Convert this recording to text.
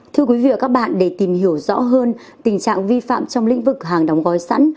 thưa quý vị và các bạn để tìm hiểu rõ hơn tình trạng vi phạm trong lĩnh vực hàng đóng gói sẵn